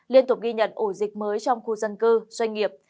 liên tục ghi nhận ổ dịch mới trong khu dân cư doanh nghiệp